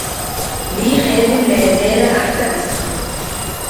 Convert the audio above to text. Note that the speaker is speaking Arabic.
لي خادم لا أزال أحتسبه